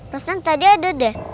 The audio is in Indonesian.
rasanya tadi ada deh